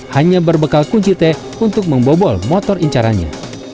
hanya berbekal kunci t untuk membobol motor incaranya